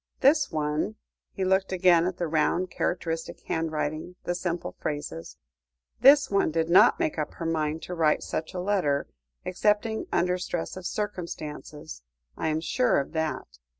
This one" he looked again at the round, characteristic handwriting, the simple phrases "this one did not make up her mind to write such a letter, excepting under stress of circumstances, I am sure of that.